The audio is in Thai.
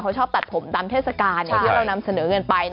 เขาชอบตัดผมตามเทศกาลที่เรานำเสนอเงินไป